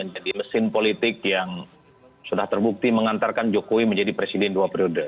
jadi mesin politik yang sudah terbukti mengantarkan jokowi menjadi presiden dua periode